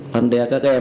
làm đe các em